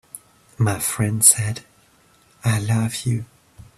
My friend said: "I love you.